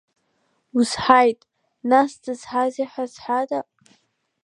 Узҳаит, нас, дзызҳазеи ҳәа зҳәада?